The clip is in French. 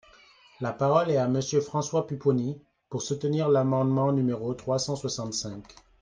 La parole est à Monsieur François Pupponi, pour soutenir l’amendement numéro trois cent soixante-cinq.